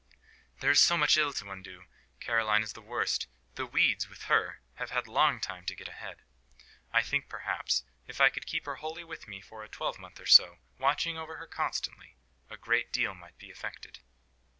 "There is so much ill to undo. Caroline is the worst; the weeds, with her, have had longer time to get ahead. I think, perhaps, if I could keep her wholly with me for a twelvemonth or so, watching over her constantly, a great deal might be effected."